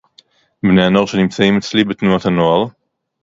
בני הנוער שנמצאים אצלי בתנועת הנוער